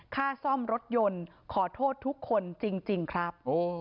ค่าซ่อมรถยนต์ขอโทษทุกคนจริงครับ